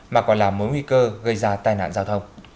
mà còn là mối nguy cơ gây ra tai nạn giao thông